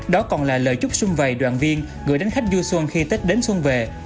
đó còn là lời chúc xuân vậy đoạn viên gửi đến khách du xuân khi tết đến xuân về